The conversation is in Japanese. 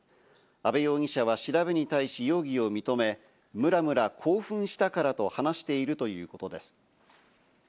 阿部容疑者は調べに対し容疑を認め、ムラムラ興奮したからと話しているということです。